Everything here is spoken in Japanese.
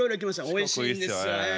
おいしいんですええ。